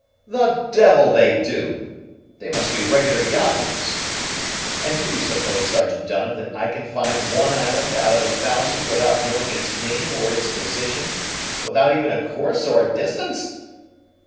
"The devil they do! They must be regular Yahoos. And do you suppose, Sergeant Dunham, that I can find one island out of a thousand without knowing its name or its position, without even a course or a distance?"